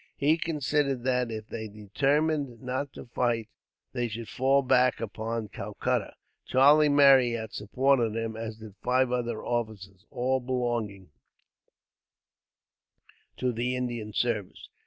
He considered that, if they determined not to fight, they should fall back upon Calcutta. Charlie Marryat supported him, as did five other officers, all belonging to the Indian service.